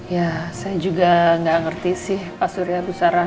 ya saya juga gak ngerti sih pak surya bu sara